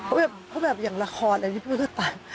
เพราะแบบอย่างละครอันนี้พี่พ่อนเขาตาม